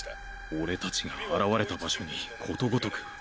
俺達が現れた場所にことごとく。